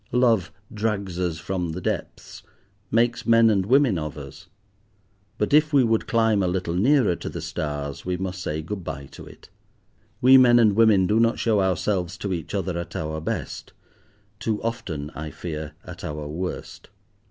Love drags us from the depths, makes men and women of us, but if we would climb a little nearer to the stars we must say good bye to it. We men and women do not show ourselves to each other at our best; too often, I fear, at our worst.